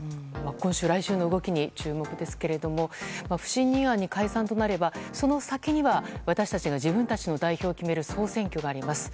今週、来週の動きに注目ですけども不信任案に解散となればその先には私たちが自分たちの代表を決める総選挙があります。